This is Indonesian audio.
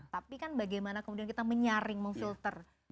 tapi kan bagaimana kemudian kita menyaring memfilter